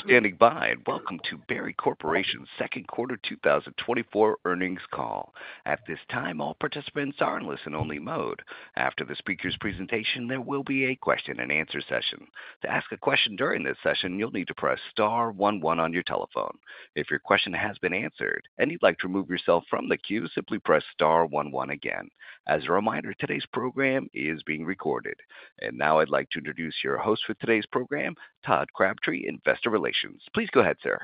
Thank you for standing by, and welcome to Berry Corporation's second quarter 2024 earnings call. At this time, all participants are in listen-only mode. After the speaker's presentation, there will be a question-and-answer session. To ask a question during this session, you'll need to press star one one on your telephone. If your question has been answered and you'd like to remove yourself from the queue, simply press star one one again. As a reminder, today's program is being recorded. And now I'd like to introduce your host for today's program, Todd Crabtree, Investor Relations. Please go ahead, sir.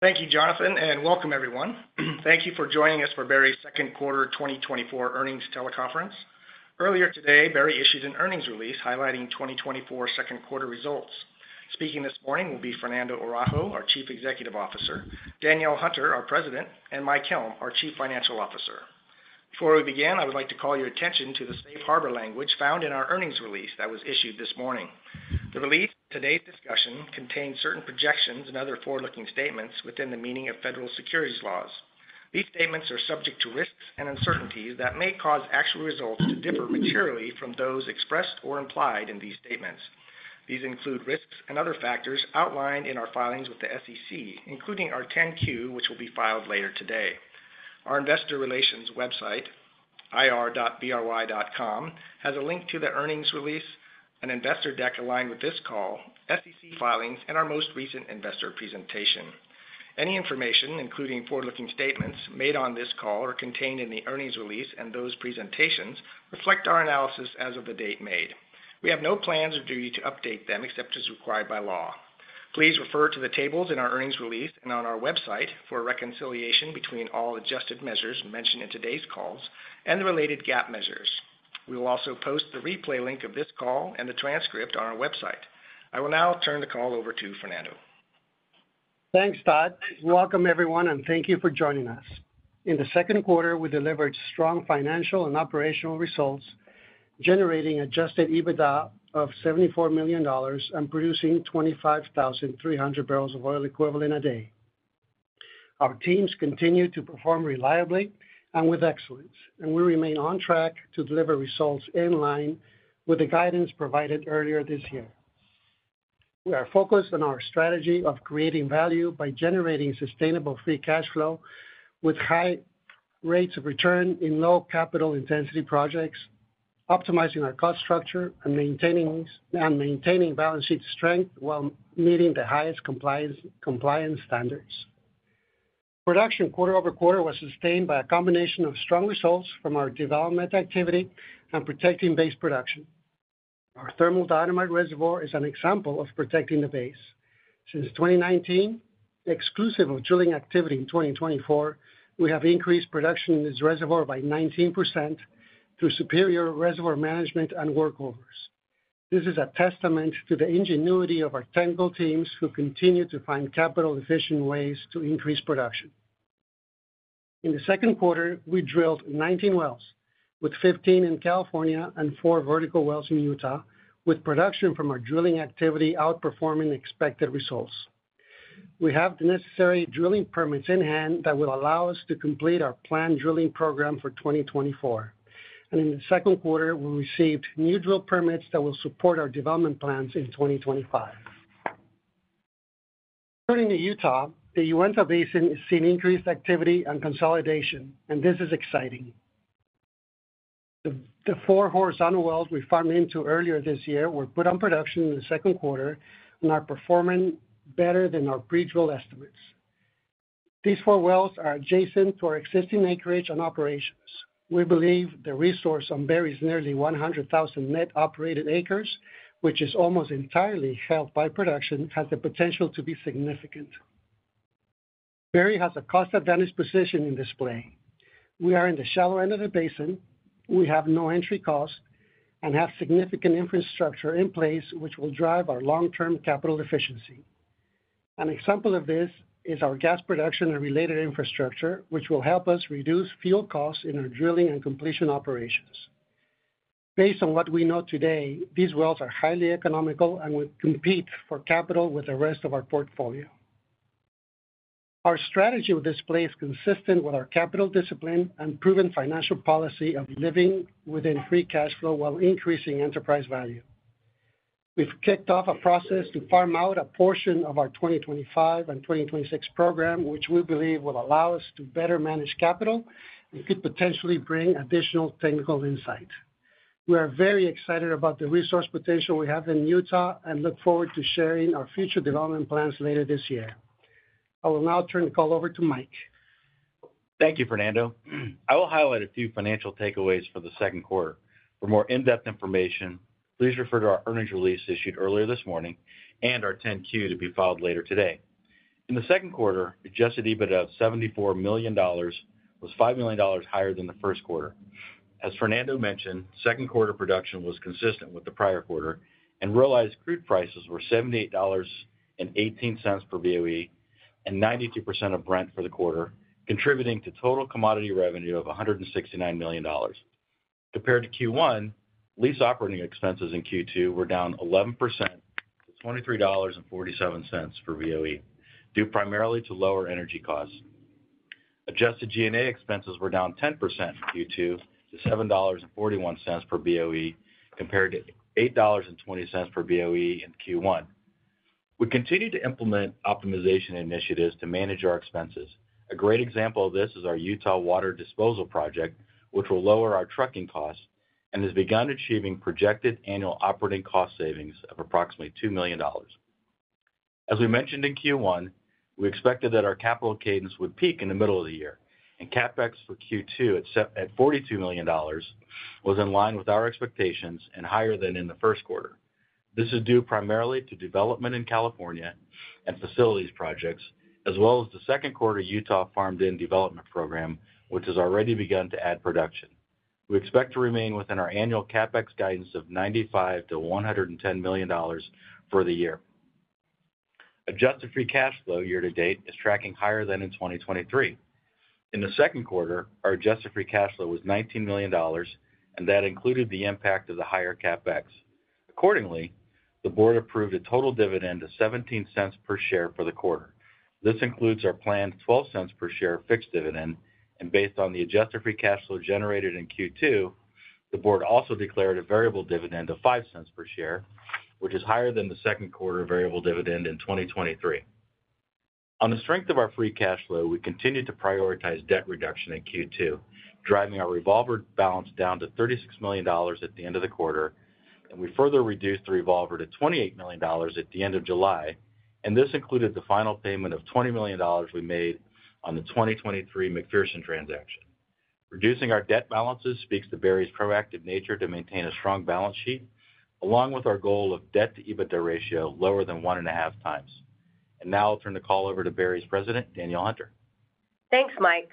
Thank you, Jonathan, and welcome everyone. Thank you for joining us for Berry's second quarter 2024 earnings teleconference. Earlier today, Berry issued an earnings release highlighting 2024 second quarter results. Speaking this morning will be Fernando Araujo, our Chief Executive Officer, Danielle Hunter, our President, and Mike Helm, our Chief Financial Officer. Before we begin, I would like to call your attention to the safe harbor language found in our earnings release that was issued this morning. The release and today's discussion contain certain projections and other forward-looking statements within the meaning of federal securities laws. These statements are subject to risks and uncertainties that may cause actual results to differ materially from those expressed or implied in these statements. These include risks and other factors outlined in our filings with the SEC, including our 10-Q, which will be filed later today. Our investor relations website, ir.bry.com, has a link to the earnings release, an investor deck aligned with this call, SEC filings, and our most recent investor presentation. Any information, including forward-looking statements made on this call, are contained in the earnings release, and those presentations reflect our analysis as of the date made. We have no plans or duty to update them, except as required by law. Please refer to the tables in our earnings release and on our website for a reconciliation between all adjusted measures mentioned in today's calls and the related GAAP measures. We will also post the replay link of this call and the transcript on our website. I will now turn the call over to Fernando. Thanks, Todd. Welcome, everyone, and thank you for joining us. In the second quarter, we delivered strong financial and operational results, generating adjusted EBITDA of $74 million and producing 25,300 barrels of oil equivalent a day. Our teams continue to perform reliably and with excellence, and we remain on track to deliver results in line with the guidance provided earlier this year. We are focused on our strategy of creating value by generating sustainable free cash flow with high rates of return in low capital intensity projects, optimizing our cost structure, and maintaining balance sheet strength while meeting the highest compliance standards. Production quarter over quarter was sustained by a combination of strong results from our development activity and protecting base production. Our thermal diatomite reservoir is an example of protecting the base. Since 2019, exclusive of drilling activity in 2024, we have increased production in this reservoir by 19% through superior reservoir management and workovers. This is a testament to the ingenuity of our technical teams, who continue to find capital-efficient ways to increase production. In the second quarter, we drilled 19 wells, with 15 in California and four vertical wells in Utah, with production from our drilling activity outperforming expected results. We have the necessary drilling permits in hand that will allow us to complete our planned drilling program for 2024, and in the second quarter, we received new drill permits that will support our development plans in 2025. Turning to Utah, the Uinta Basin has seen increased activity and consolidation, and this is exciting. The four horizontal wells we farmed into earlier this year were put on production in the second quarter and are performing better than our pre-drill estimates. These four wells are adjacent to our existing acreage and operations. We believe the resource on Berry's nearly 100,000 net operated acres, which is almost entirely held by production, has the potential to be significant. Berry has a cost advantage position in this play. We are in the shallow end of the basin. We have no entry cost and have significant infrastructure in place, which will drive our long-term capital efficiency. An example of this is our gas production and related infrastructure, which will help us reduce fuel costs in our drilling and completion operations. Based on what we know today, these wells are highly economical and would compete for capital with the rest of our portfolio. Our strategy with this play is consistent with our capital discipline and proven financial policy of living within free cash flow while increasing enterprise value. We've kicked off a process to farm out a portion of our 2025 and 2026 program, which we believe will allow us to better manage capital and could potentially bring additional technical insight. We are very excited about the resource potential we have in Utah and look forward to sharing our future development plans later this year. I will now turn the call over to Mike. Thank you, Fernando. I will highlight a few financial takeaways for the second quarter. For more in-depth information, please refer to our earnings release issued earlier this morning and our 10-Q to be filed later today. In the second quarter, Adjusted EBITDA of $74 million was $5 million higher than the first quarter. As Fernando mentioned, second quarter production was consistent with the prior quarter, and realized crude prices were $78.18 per BOE, and 92% of Brent for the quarter, contributing to total commodity revenue of $169 million. Compared to Q1, lease operating expenses in Q2 were down 11% to $23.47 per BOE, due primarily to lower energy costs. Adjusted G&A expenses were down 10% in Q2 to $7.41 per BOE, compared to $8.20 per BOE in Q1. We continue to implement optimization initiatives to manage our expenses. A great example of this is our Utah water disposal project, which will lower our trucking costs and has begun achieving projected annual operating cost savings of approximately $2 million. As we mentioned in Q1, we expected that our capital cadence would peak in the middle of the year, and CapEx for Q2, at $42 million, was in line with our expectations and higher than in the first quarter. This is due primarily to development in California and facilities projects, as well as the second quarter Utah farmed-in development program, which has already begun to add production. We expect to remain within our annual CapEx guidance of $95 million-$110 million for the year. Adjusted Free Cash Flow year to date is tracking higher than in 2023. In the second quarter, our Adjusted Free Cash Flow was $19 million, and that included the impact of the higher CapEx. Accordingly, the board approved a total dividend of $0.17 per share for the quarter. This includes our planned $0.12 per share fixed dividend, and based on the Adjusted Free Cash Flow generated in Q2, the board also declared a variable dividend of $0.05 per share, which is higher than the second quarter variable dividend in 2023. On the strength of our free cash flow, we continued to prioritize debt reduction in Q2, driving our revolver balance down to $36 million at the end of the quarter, and we further reduced the revolver to $28 million at the end of July, and this included the final payment of $20 million we made on the 2023 Macpherson transaction. Reducing our debt balances speaks to Berry's proactive nature to maintain a strong balance sheet, along with our goal of debt-to-EBITDA ratio lower than 1.5 times. Now I'll turn the call over to Berry's President, Danielle Hunter. Thanks, Mike.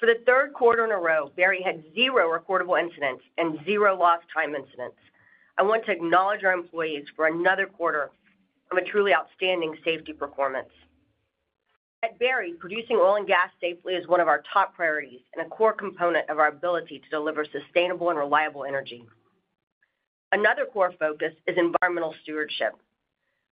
For the third quarter in a row, Berry had zero recordable incidents and zero lost time incidents. I want to acknowledge our employees for another quarter of a truly outstanding safety performance. At Berry, producing oil and gas safely is one of our top priorities and a core component of our ability to deliver sustainable and reliable energy. Another core focus is environmental stewardship.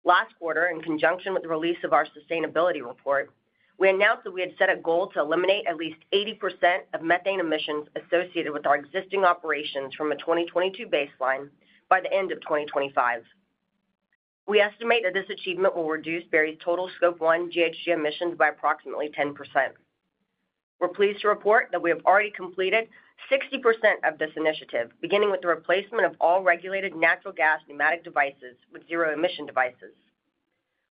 Last quarter, in conjunction with the release of our sustainability report, we announced that we had set a goal to eliminate at least 80% of methane emissions associated with our existing operations from a 2022 baseline by the end of 2025. We estimate that this achievement will reduce Berry's total Scope 1 GHG emissions by approximately 10%. We're pleased to report that we have already completed 60% of this initiative, beginning with the replacement of all regulated natural gas pneumatic devices with zero emission devices.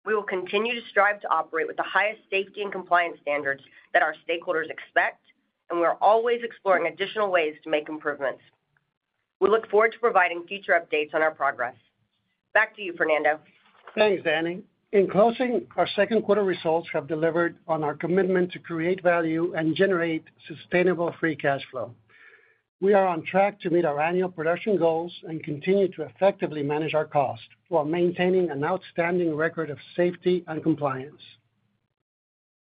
We will continue to strive to operate with the highest safety and compliance standards that our stakeholders expect, and we are always exploring additional ways to make improvements. We look forward to providing future updates on our progress. Back to you, Fernando. Thanks, Dani. In closing, our second quarter results have delivered on our commitment to create value and generate sustainable free cash flow. We are on track to meet our annual production goals and continue to effectively manage our cost, while maintaining an outstanding record of safety and compliance.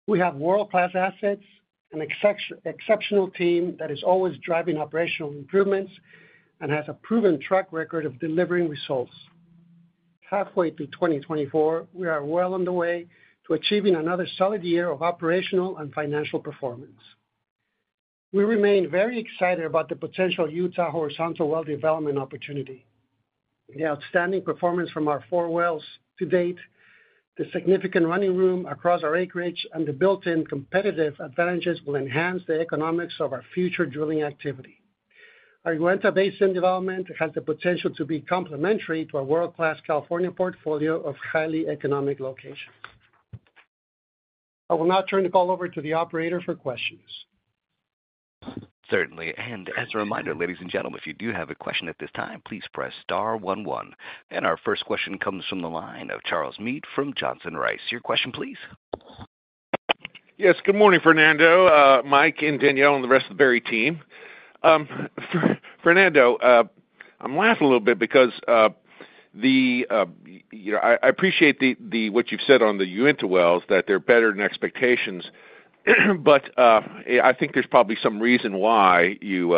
We have world-class assets, an exceptional team that is always driving operational improvements and has a proven track record of delivering results. Halfway through 2024, we are well on the way to achieving another solid year of operational and financial performance. We remain very excited about the potential Utah horizontal well development opportunity. The outstanding performance from our four wells to date, the significant running room across our acreage, and the built-in competitive advantages will enhance the economics of our future drilling activity. Our Uinta Basin development has the potential to be complementary to our world-class California portfolio of highly economic locations. I will now turn the call over to the operator for questions. Certainly. And as a reminder, ladies and gentlemen, if you do have a question at this time, please press star one, one. And our first question comes from the line of Charles Meade from Johnson Rice. Your question, please? Yes, good morning, Fernando, Mike, and Danielle, and the rest of the Berry team. Fernando, I'm laughing a little bit because, you know, I appreciate what you've said on the Uinta wells, that they're better than expectations. But, I think there's probably some reason why you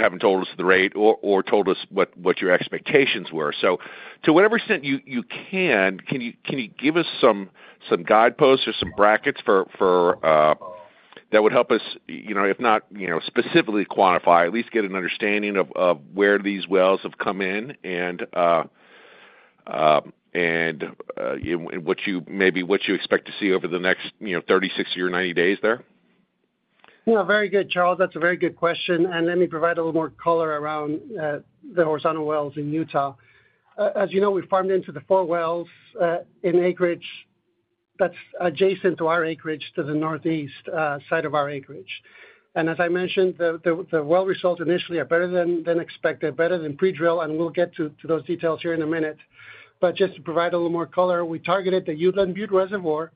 haven't told us the rate or told us what your expectations were. So to whatever extent you can, can you give us some guideposts or some brackets for that would help us, you know, if not specifically quantify, at least get an understanding of where these wells have come in and what you maybe expect to see over the next, you know, 30, 60, or 90 days there? Yeah, very good, Charles. That's a very good question, and let me provide a little more color around the horizontal wells in Utah. As you know, we farmed into the four wells in acreage that's adjacent to our acreage, to the northeast side of our acreage. And as I mentioned, the well results initially are better than expected, better than pre-drill, and we'll get to those details here in a minute. But just to provide a little more color, we targeted the Uteland Butte reservoir,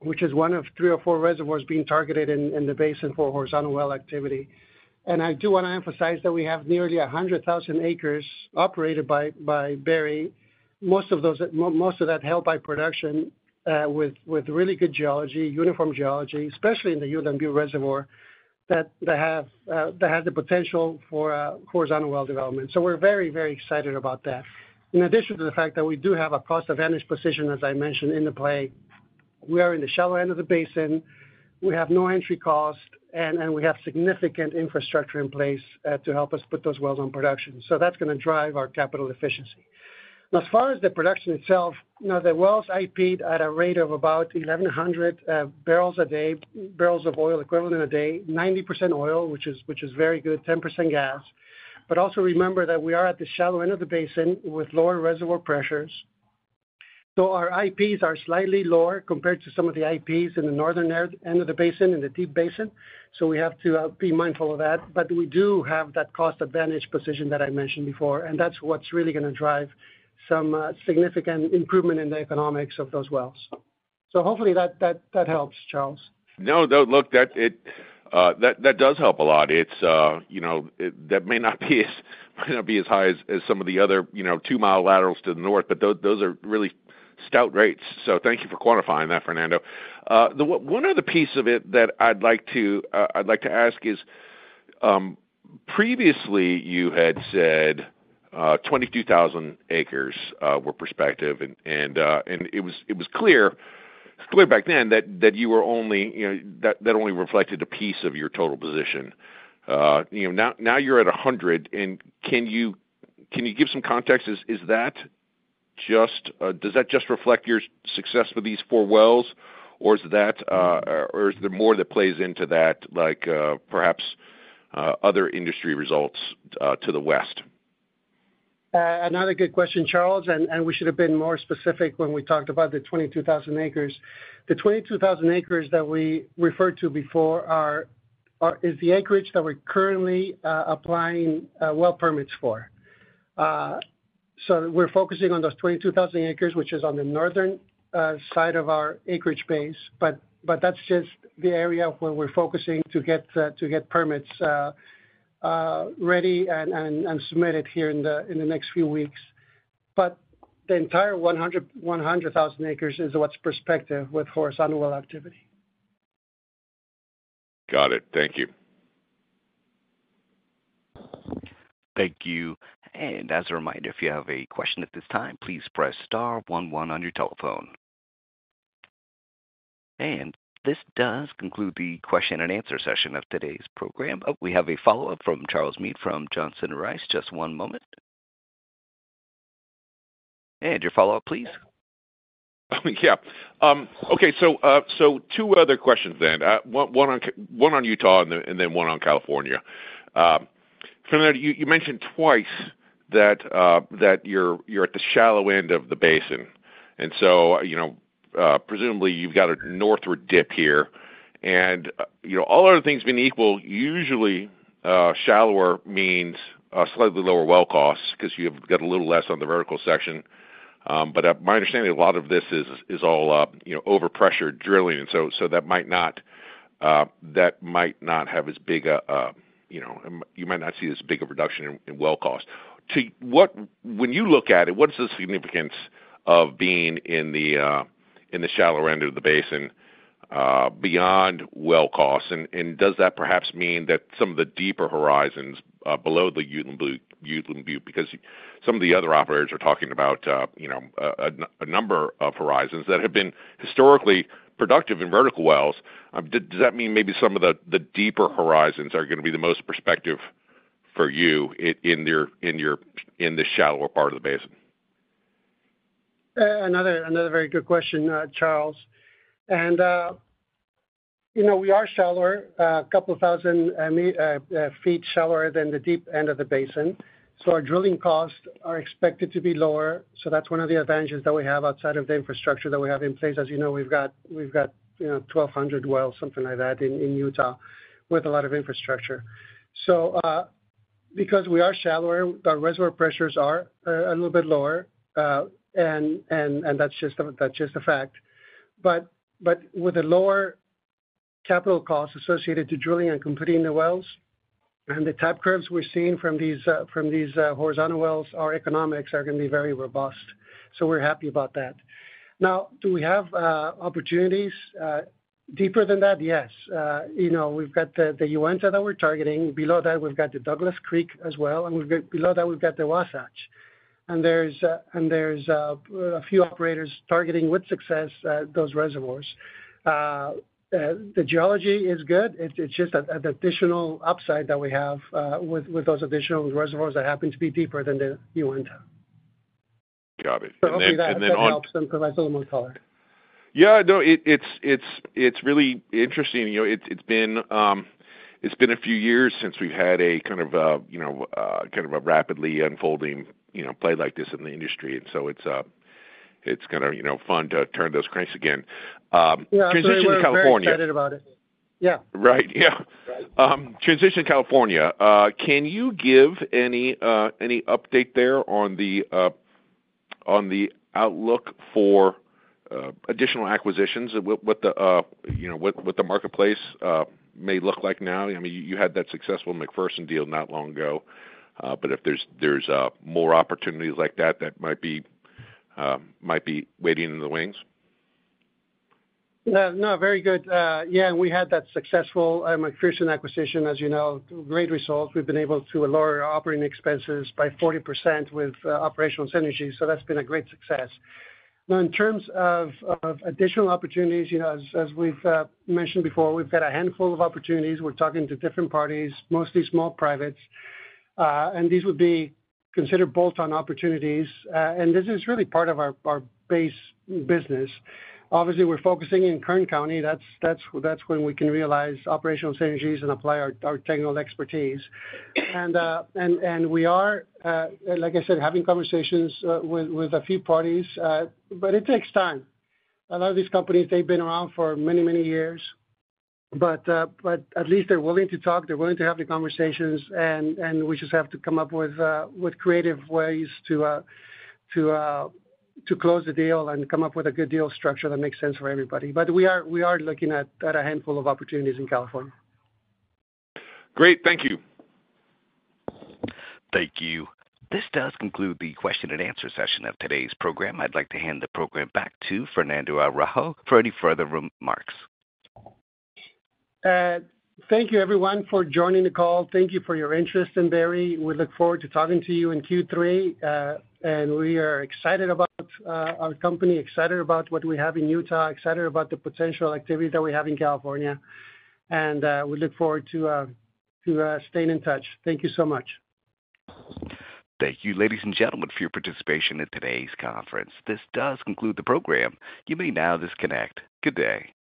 which is one of three or four reservoirs being targeted in the basin for horizontal well activity. And I do want to emphasize that we have nearly 100,000 acres operated by Berry. Most of those—most of that held by production, with really good geology, uniform geology, especially in the Uteland Butte. That have the potential for a horizontal well development. So we're very, very excited about that. In addition to the fact that we do have a cost advantage position, as I mentioned, in the play, we are in the shallow end of the basin, we have no entry cost, and we have significant infrastructure in place to help us put those wells on production. So that's gonna drive our capital efficiency. Now, as far as the production itself, you know, the wells IP'd at a rate of about 1,100 barrels a day, barrels of oil equivalent a day, 90% oil, which is very good, 10% gas. But also remember that we are at the shallow end of the basin with lower reservoir pressures. So our IPs are slightly lower compared to some of the IPs in the northern end of the basin, in the deep basin, so we have to be mindful of that. But we do have that cost advantage position that I mentioned before, and that's what's really gonna drive some significant improvement in the economics of those wells. So hopefully that helps, Charles. No, no, look, that does help a lot. It's, you know, it. That may not be as high as some of the other, you know, two-mile laterals to the north, but those are really stout rates. So thank you for quantifying that, Fernando. The one other piece of it that I'd like to ask is, previously you had said, 22,000 acres were prospective, and it was clear back then that you were only, you know, that only reflected a piece of your total position. You know, now you're at 100, and can you give some context? Is that just... Does that just reflect your success with these four wells, or is that, or is there more that plays into that, like, perhaps, other industry results, to the west? Another good question, Charles, and we should have been more specific when we talked about the 22,000 acres. The 22,000 acres that we referred to before is the acreage that we're currently applying well permits for. So we're focusing on those 22,000 acres, which is on the northern side of our acreage base, but that's just the area where we're focusing to get permits ready and submitted here in the next few weeks. But the entire 100,000 acres is what's prospective with horizontal well activity. Got it. Thank you. Thank you. And as a reminder, if you have a question at this time, please press star one one on your telephone. And this does conclude the question and answer session of today's program. Oh, we have a follow-up from Charles Meade from Johnson Rice. Just one moment. And your follow-up, please. Yeah. Okay. So, two other questions then. One on Utah and then one on California. Fernando, you mentioned twice that you're at the shallow end of the basin, and so, you know, presumably you've got a northward dip here. And, you know, all other things being equal, usually, shallower means slightly lower well costs because you've got a little less on the vertical section. But, my understanding, a lot of this is all, you know, overpressure drilling, and so, that might not have as big a, you know, you might not see as big a reduction in well cost. When you look at it, what is the significance of being in the shallower end of the basin, beyond well costs? And does that perhaps mean that some of the deeper horizons below the Uteland Butte? Because some of the other operators are talking about, you know, a number of horizons that have been historically productive in vertical wells. Does that mean maybe some of the deeper horizons are gonna be the most prospective for you in your shallower part of the basin? Another very good question, Charles. And, you know, we are shallower, 2,000 feet shallower than the deep end of the basin, so our drilling costs are expected to be lower. So that's one of the advantages that we have outside of the infrastructure that we have in place. As you know, we've got 1,200 wells, something like that, in Utah with a lot of infrastructure. So, because we are shallower, our reservoir pressures are a little bit lower. And that's just a fact. But with the lower capital costs associated to drilling and completing the wells and the type curves we're seeing from these horizontal wells, our economics are gonna be very robust. So we're happy about that. Now, do we have opportunities deeper than that? Yes. You know, we've got the Uinta that we're targeting. Below that, we've got the Douglas Creek as well, and we've got below that, we've got the Wasatch. And there's a few operators targeting with success those reservoirs. The geology is good. It's just an additional upside that we have with those additional reservoirs that happen to be deeper than the Uinta. Got it. And then on- Hopefully that helps and provides a little more color. Yeah, no, it's really interesting. You know, it's been a few years since we've had a kind of a, you know, kind of a rapidly unfolding, you know, play like this in the industry, and so it's kind of, you know, fun to turn those cranks again. Transition to California. Yeah, we're very excited about it. Yeah. Right. Yeah. Transition to California. Can you give any update there on the outlook for additional acquisitions? What the, you know, what the marketplace may look like now? I mean, you had that successful Macpherson deal not long ago, but if there's more opportunities like that that might be waiting in the wings. No, very good. Yeah, we had that successful Macpherson acquisition, as you know. Great results. We've been able to lower our operating expenses by 40% with operational synergy, so that's been a great success. Now, in terms of additional opportunities, you know, as we've mentioned before, we've got a handful of opportunities. We're talking to different parties, mostly small privates, and these would be considered bolt-on opportunities. And this is really part of our base business. Obviously, we're focusing in Kern County. That's when we can realize operational synergies and apply our technical expertise. And we are, like I said, having conversations with a few parties, but it takes time. A lot of these companies, they've been around for many, many years, but at least they're willing to talk, they're willing to have the conversations, and we just have to come up with creative ways to close the deal and come up with a good deal structure that makes sense for everybody. But we are looking at a handful of opportunities in California. Great. Thank you. Thank you. This does conclude the question and answer session of today's program. I'd like to hand the program back to Fernando Araujo for any further remarks. Thank you everyone for joining the call. Thank you for your interest in Berry. We look forward to talking to you in Q3. We are excited about our company, excited about what we have in Utah, excited about the potential activity that we have in California, and we look forward to staying in touch. Thank you so much. Thank you, ladies and gentlemen, for your participation in today's conference. This does conclude the program. You may now disconnect. Good day.